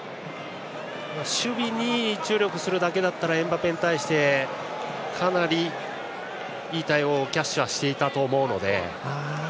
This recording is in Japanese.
守備に注力するだけだったらエムバペに対してかなり、いい対応をキャッシュはしていたと思うので。